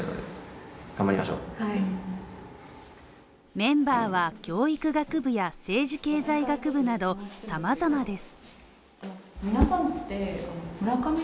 メンバーは教育学部や政治経済学部などさまざまです。